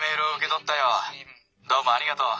どうもありがとう。